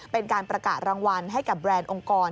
เป็นการประกาศรางวัลให้กับแบรนด์องค์กร